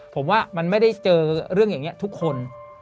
ผมว่ามันไม่ได้เจอเรื่องอย่างนี้ทุกคน